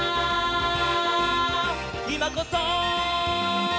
「いまこそ！」